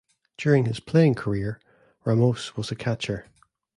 During his playing career, Ramos was a catcher.